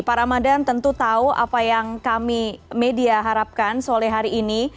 pak ramadan tentu tahu apa yang kami media harapkan sore hari ini